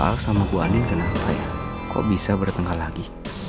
ma sama buah andin kenapa ya kok bisa bertengah lagi